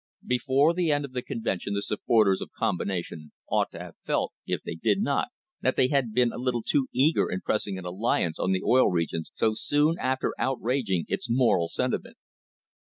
Before the end of the convention the supporters of combination ought to have felt, if they did not, that they had been a little too eager in pressing an alliance on the Oil Regions so soon after outraging its moral sentiment.